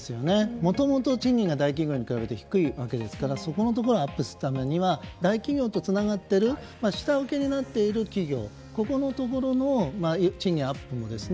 もともと賃金が大企業に比べて低いわけですからそこをなくすためには大企業とつながっている下請けになっている企業の賃金アップですね。